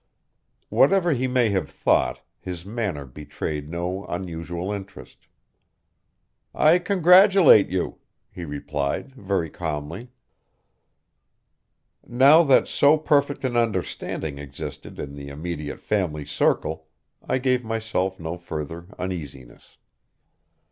Whatever he may have thought, his manner betrayed no unusual interest. "I congratulate you," he replied very calmly. Now that so perfect an understanding existed in the immediate family circle, I gave myself no further uneasiness.